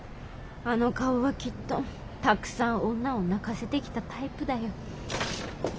あの顔はきっとたくさん女を泣かせてきたタイプだよ。